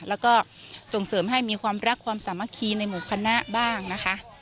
แล้วก็ส่งเสริมให้มีความรักความสามัคคีในหมู่คณะบ้างนะคะ